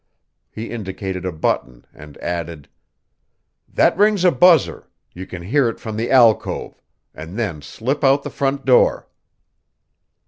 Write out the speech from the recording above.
He indicated a button and added: "That rings a buzzer; you can hear it from the alcove, and then slip out the front door."